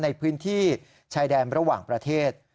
ในพื้นที่ชายแดนระหว่างประเทศ